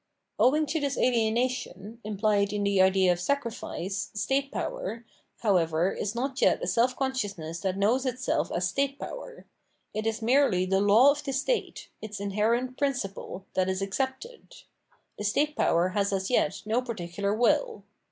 Owing to this alienation [implied in the idea of sacrifice] state power, however, is not yet a self consciousness that knows itself as state power. It is merely the law of the state, its inherent prin ciple, that is accepted; the state power has as yet no particular will.